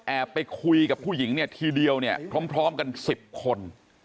ไปคุยกับผู้หญิงเนี่ยทีเดียวเนี่ยพร้อมกัน๑๐คน